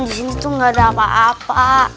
di sini tuh gak ada apa apa